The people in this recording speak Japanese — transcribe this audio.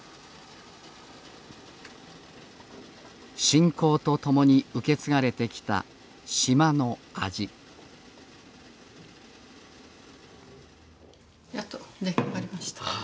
信仰とともに受け継がれてきた島の味出来上がりました。